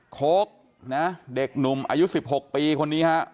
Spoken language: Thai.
โค้กนะเด็กหนุ่มอายุ๑๖ปีคนนี้ฮะ